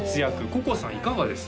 瑚々さんいかがです？